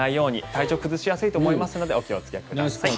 体調崩しやすいと思いますのでお気をつけください。